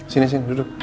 sini sini duduk bersih